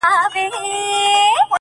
ورځ روښانه وي.